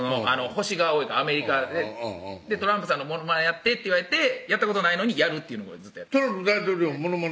星が多いからアメリカで「トランプさんのモノマネやって」って言われてやったことないのにやるっていうのをずっとトランプ大統領のモノマネ